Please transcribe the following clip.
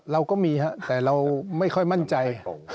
เราก็มีครับแต่เราไม่ค่อยมั่นใจ